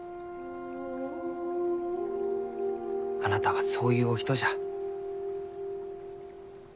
あなたはそういうお人じゃ。